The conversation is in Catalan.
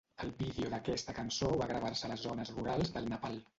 El vídeo d'aquesta cançó va gravar-se a les zones rurals del Nepal.